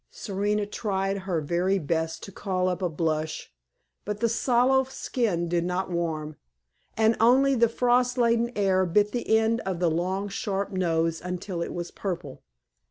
Serena tried her very best to call up a blush, but the sallow skin did not warm, and only the frost laden air bit the end of the long, sharp nose until it was purple.